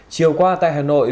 chiều qua tại hà nội